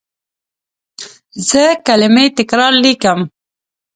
زه کلمې تکرار لیکم.